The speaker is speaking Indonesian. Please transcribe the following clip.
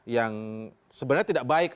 yang sebenarnya tidak baik